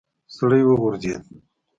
سړی وغورځېد.